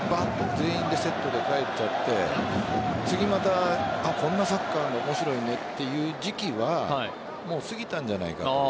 全員でセットで帰っちゃって次、またこんなサッカーやるの面白いねという時期は過ぎたんじゃないかなと。